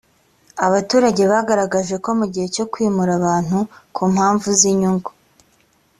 abaturage bagaragaje ko mu gihe cyo kwimura abantu ku mpamvu z inyungu